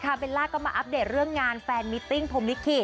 เบลล่าก็มาอัปเดตเรื่องงานแฟนมิตติ้งพรมลิขิต